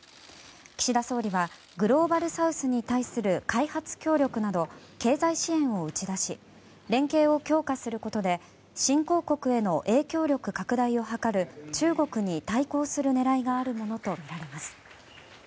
岸田総理はグローバルサウスに対する開発協力など経済支援を打ち出し連携を強化することで新興国への影響力拡大を図る中国に対抗する狙いがあるものとみられます。